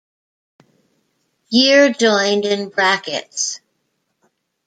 Year joined in brackets.